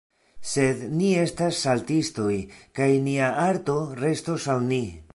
Sed ni estas saltistoj kaj nia arto restos al ni.